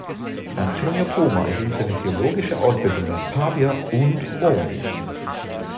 Antonio Poma erhielt seine theologische Ausbildung in Pavia und Rom.